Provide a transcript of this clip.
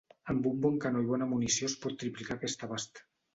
Amb un bon canó i bona munició es pot triplicar aquest abast.